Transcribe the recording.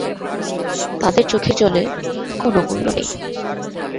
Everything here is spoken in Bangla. তাঁদের চোখের জলের কোনো মূল্য নেই।